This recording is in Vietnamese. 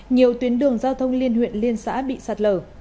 nhiều tuyến đường giao thông liên huyện liên xã bị sạt lở